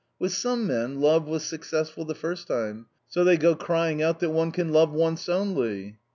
With some men love was success ful the first time, so they go crying out that one can love once only.